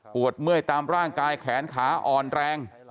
เมื่อยตามร่างกายแขนขาอ่อนแรง